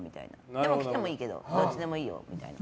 でも来てもいいけどどっちでもいいよみたいな。